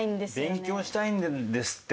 勉強したいんですって